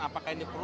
apakah ini perlu